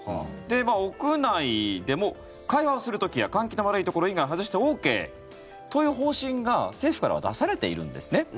屋内でも、会話をする時や換気の悪いところ以外外してＯＫという方針が政府からは出されているんですね。